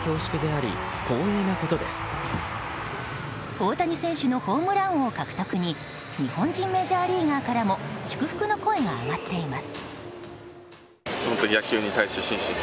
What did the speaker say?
大谷選手のホームラン王獲得に日本人メジャーリーガーからも祝福の声が上がっています。